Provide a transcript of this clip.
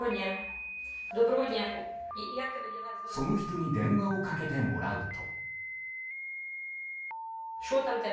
その人に電話をかけてもらうと。